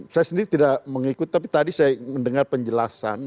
saya sendiri tidak mengikut tapi tadi saya mendengar penjelasan